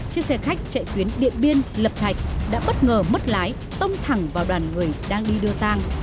chiếc xe khách chạy tuyến điện biên lập thạch đã bất ngờ mất lái tông thẳng vào đoàn người đang đi đưa tang